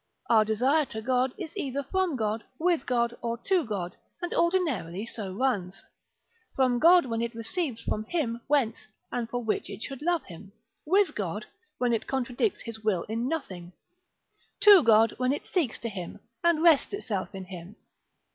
Our desire to God, is either from God, with God, or to God, and ordinarily so runs. From God, when it receives from him, whence, and for which it should love him: with God, when it contradicts his will in nothing: to God, when it seeks to him, and rests itself in him.